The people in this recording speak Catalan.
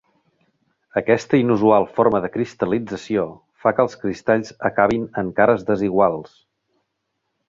Aquesta inusual forma de cristal·lització fa que els cristalls acabin en cares desiguals.